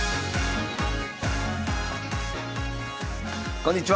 こんにちは！